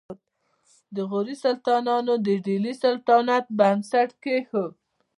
د غوري سلطانانو د دهلي سلطنت بنسټ کېښود